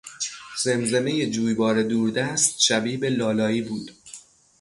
زمزمهی جویبار دور دست شبیه به لالایی بود.